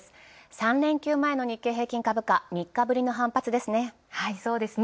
３連休前の日経平均株価、３日ぶりのはんぱつですね